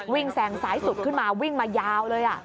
แซงซ้ายสุดขึ้นมาวิ่งมายาวเลย